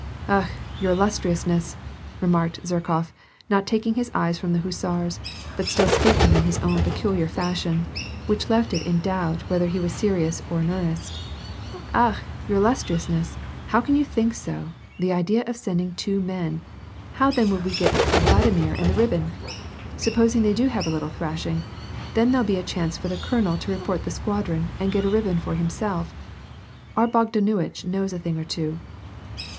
" Akh ! your illustriousness," remarked Zherkof, not talking his eyes from the hussars, but still speaking in his own peculiar fashion, which left it in doubt whether he were serious or in earnest, " akh ! your illustriousness, how can you think so ! The idea of sending two men ! How then would we get the Vladimir and the ribbon ? Supposing they do have a little thrashing, then there'll be a chance for the colonel to report the squadron and get a ribbon for himself. Our Bogdan uitch knows a thing or two."